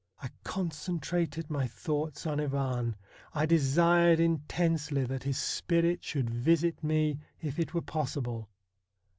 I concentrated my thoughts on Ivan. I desired intensely that his spirit should visit me if it were possible.